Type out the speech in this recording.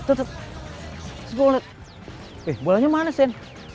terus gue liat eh bolanya mana sen